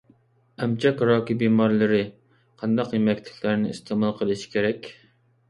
ئەمچەك راكى بىمارلىرى قانداق يېمەكلىكلەرنى ئىستېمال قىلىشى كېرەك؟